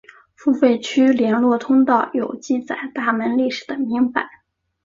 付费区外联络通道有记载大门历史的铭版。